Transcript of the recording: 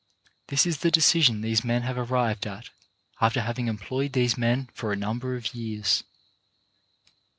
This is the decision these men have arrived at after having employed these men for a number of years.